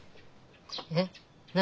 えっ何？